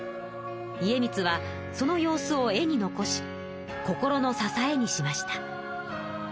家光はその様子を絵に残し心の支えにしました。